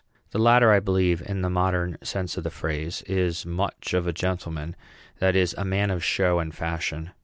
The latter, I believe, in the modern sense of the phrase, is much of a gentleman; that is, a man of show and fashion.